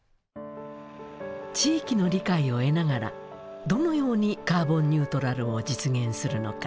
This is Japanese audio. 地域の理解を得ながらどのようにカーボンニュートラルを実現するのか。